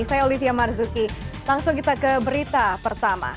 saya olivia marzuki langsung kita ke berita pertama